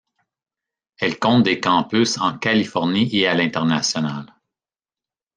Elle compte des campus en Californie et à l’international.